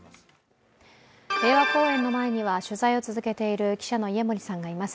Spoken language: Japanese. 平和公園の前には取材を続けている記者の家森さんがいます。